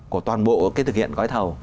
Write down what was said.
của toàn bộ cái thực hiện gói thầu